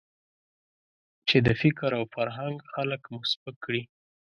چې د فکر او فرهنګ خلک مو سپک کړي دي.